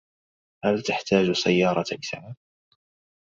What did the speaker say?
هل تحتاج سيارةَ إسعافٍ؟